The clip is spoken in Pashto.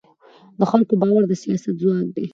د خلکو باور د سیاست ځواک دی